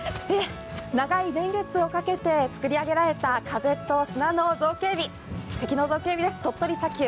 長い年月をかけて作り上げられた風と砂の造形美、奇跡の造形美です、鳥取砂丘。